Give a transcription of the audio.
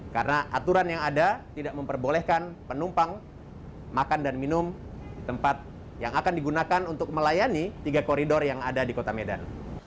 karena aturan yang ada tidak memperbolehkan penumpang makan dan minum di tempat yang akan digunakan untuk melayani tiga koridor yang ada di kota medan